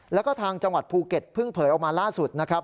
แล้วก็ทางจังหวัดภูเก็ตเพิ่งเผยออกมาล่าสุดนะครับ